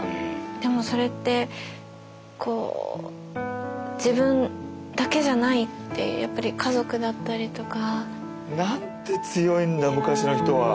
でもそれって自分だけじゃないってやっぱり家族だったりとか。なんて強いんだ昔の人は。